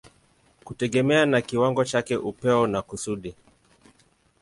kutegemea na kiwango chake, upeo na kusudi.